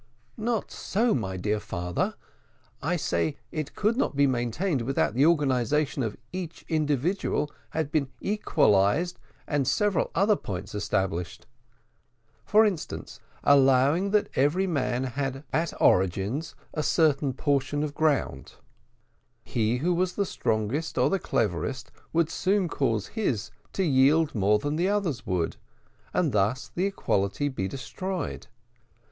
"Not so, my dear father; I say it could not be maintained without the organisation of each individual had been equalised and several other points established. For instance, allowing that every man had, ab origine, a certain portion of ground, he who was the strongest or the cleverest would soon cause his to yield more than others would, and thus the equality be destroyed.